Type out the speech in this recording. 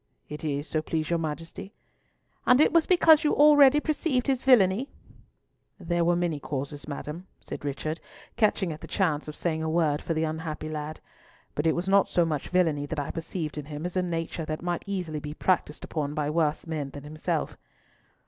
"It is, so please your Majesty." "And it was because you already perceived his villainy?" "There were many causes, Madam," said Richard, catching at the chance of saying a word for the unhappy lad, "but it was not so much villainy that I perceived in him as a nature that might be easily practised upon by worse men than himself."